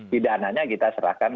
pidananya kita serahkan